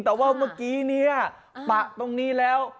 แต่ว่าเมื่อกี้ตะตรงนี้แล้ว